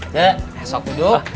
cek esok duduk